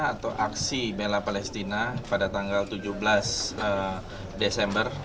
atau aksi bela palestina pada tanggal tujuh belas desember